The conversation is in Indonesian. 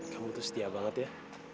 kamu tuh setia banget ya